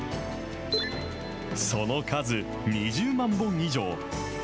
その数、２０万本以上。